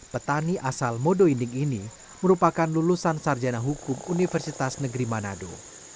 petani asal modo inding ini merupakan lulusan sarjana hukum universitas negeri manado